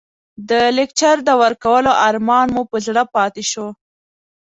د لکچر د ورکولو ارمان مو په زړه پاتې شو.